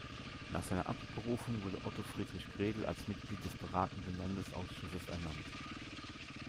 Nach seiner Abberufung wurde Otto Friedrich Kredel als Mitglied des beratenden Landesausschusses ernannt.